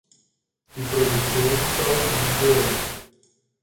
Die Produktionszahl blieb gering.